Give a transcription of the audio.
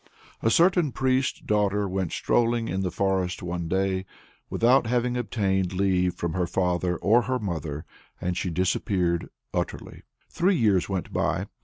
A certain priest's daughter went strolling in the forest one day, without having obtained leave from her father or her mother and she disappeared utterly. Three years went by.